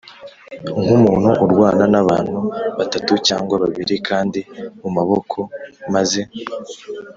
nk’umuntu urwana n’abantu batatu cyangwa babiri kandi mu maboko maze